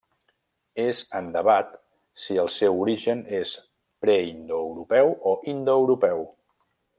És en debat si el seu origen és preindoeuropeu o indoeuropeu.